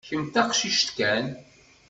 Kemm d taqcict kan.